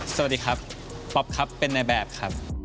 สวัสดีครับป๊อปครับเป็นในแบบครับ